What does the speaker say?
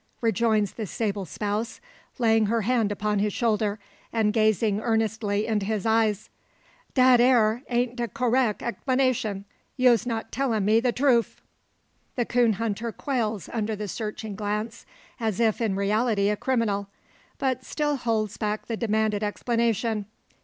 rejoins the sable spouse, laying her hand upon his shoulder, and gazing earnestly into his eyes. "Dat ere ain't de correck explicashun. You's not tellin' me de troof!" The coon hunter quails under the searching glance, as if in reality a criminal; but still holds back the demanded explanation.